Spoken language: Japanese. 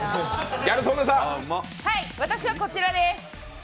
私はこちらです。